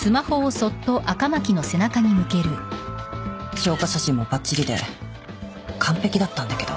証拠写真もばっちりで完璧だったんだけど。